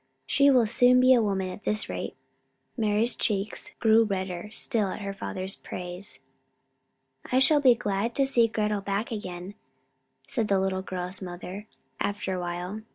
"She will soon be a woman at this rate." Mari's rosy cheeks grew redder still at her father's praise. "I shall be glad to see Gretel back again," said the little girl's mother, after a while.